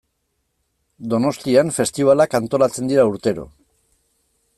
Donostian festibalak antolatzen dira urtero.